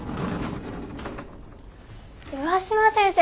上嶋先生